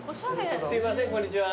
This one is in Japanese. すいませんこんにちは。